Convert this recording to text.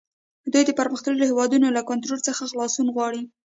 دوی د پرمختللو هیوادونو له کنټرول څخه خلاصون غواړي